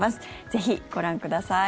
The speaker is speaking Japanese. ぜひご覧ください。